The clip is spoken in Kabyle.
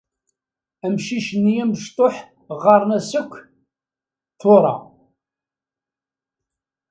Amcic-nni amecṭuḥ ɣɣaren-as akk Tora.